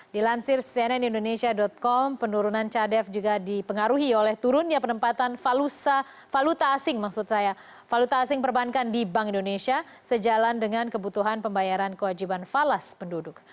dilansir cnn indonesia com penurunan cadang devisa juga dipengaruhi oleh turunnya penempatan valuta asing perbankan di bank indonesia sejalan dengan kebutuhan pembayaran kewajiban falas penduduk